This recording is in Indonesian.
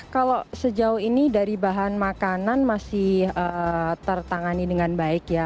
kalau sejauh ini dari bahan makanan masih tertangani dengan baik ya